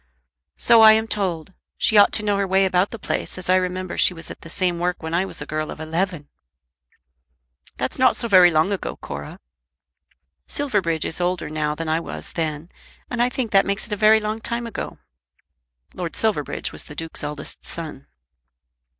"So I am told. She ought to know her way about the place, as I remember she was at the same work when I was a girl of eleven." "That's not so very long ago, Cora." "Silverbridge is older now than I was then, and I think that makes it a very long time ago." Lord Silverbridge was the Duke's eldest son.